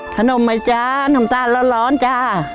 ขนมไหมจ๊ะน้ำตาลร้อนจ้า